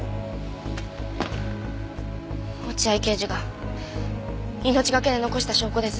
落合刑事が命懸けで残した証拠です。